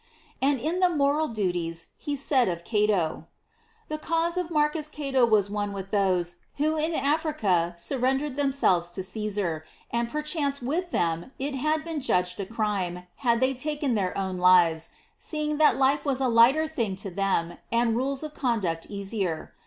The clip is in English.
" And in the Moral Duties he said of Cato: " The cause of Marcus Cato was one with those who in Africa surrendered them | selves to Caesar ; and perchance with them it j had been judged a crime had they taken their ! own lives, seeing that life was a lighter thing to them, and rules of conduct easier.